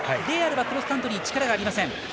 レーアルはクロスカントリー力がありません。